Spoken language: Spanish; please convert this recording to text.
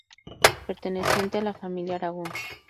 Perteneciente a la familia Aragón.